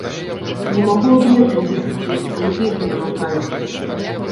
Не магу абняць усіх-усіх, але вельмі намагаюся!